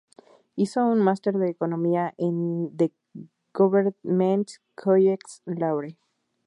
Hizo un máster de economía en the Government College Lahore.